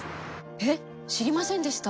えっ知りませんでした。